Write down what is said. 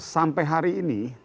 sampai hari ini